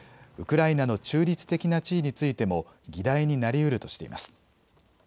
ウクライナの中立的な地位についても議題になりうるとしています。